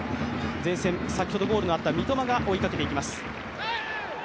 前線、先ほどゴールのあった三笘が追いかけていきます。